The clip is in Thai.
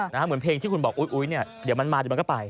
เหมือนเพลงที่คุณบอกอุ๊ยเนี่ยเดี๋ยวมันมาเดี๋ยวมันก็ไป